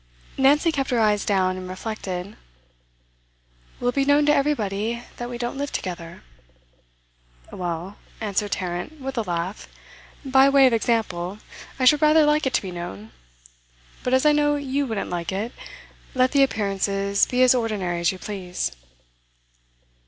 Nancy kept her eyes down, and reflected. 'Will it be known to everybody that we don't live together?' 'Well,' answered Tarrant, with a laugh, 'by way of example, I should rather like it to be known; but as I know you wouldn't like it, let the appearances be as ordinary as you please.